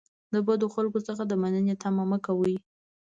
د بدو خلکو څخه د مننې تمه مه کوئ.